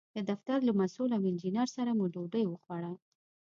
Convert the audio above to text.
د دفتر له مسوول او انجینر سره مو ډوډۍ وخوړه.